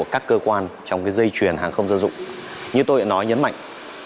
các cơ quan trong cái dây truyền hàng không dân dụng như tôi đã nói nhấn mạnh